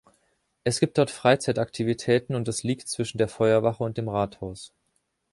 Es gibt dort Freizeitaktivitäten und es liegt zwischen der Feuerwache und dem Rathaus.